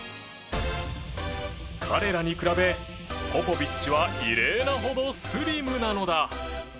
彼らに比べポポビッチは異例なほどスリムなのだ。